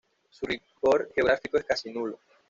Su rigor geográfico es casi nulo.